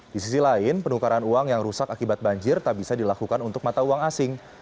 di sisi lain penukaran uang yang rusak akibat banjir tak bisa dilakukan untuk mata uang asing